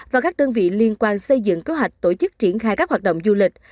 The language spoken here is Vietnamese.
và các đơn vị liên quan xây dựng kế hoạch tổ chức triển khai các hoạt động du lịch